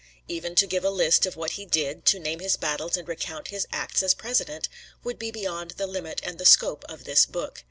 Even to give alist of what he did, to name his battles and recount his acts as president, would be beyond the limit and the scope of this book.